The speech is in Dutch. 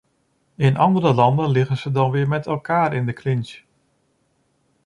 In andere landen liggen ze dan weer met elkaar in de clinch.